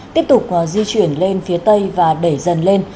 tiếp tục di chuyển lên phía tây và đẩy dần lên